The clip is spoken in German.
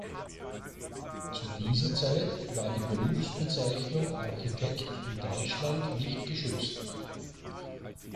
Zu dieser Zeit war die Berufsbezeichnung Architekt in Deutschland nicht geschützt.